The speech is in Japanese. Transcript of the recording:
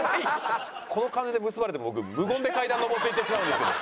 この感じで結ばれても僕無言で階段上っていってしまうんですけど。